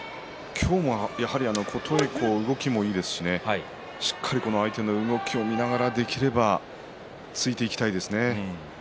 今日は琴恵光は動きがいいですししっかり相手の動きを見ることができれば、ついていきたいですね。